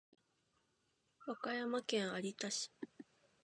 和歌山県有田市